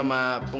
ga paham kan